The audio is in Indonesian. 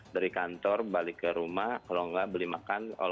dari kantor balik ke rumah kalau nggak beli makan